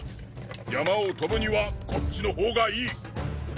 山を飛ぶにはこっちの方がいい。